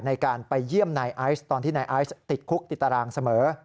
ในการไปเยี่ยมนายไอซ์ตอนที่นายไอซ์ติดคุกติดตารางเสมอ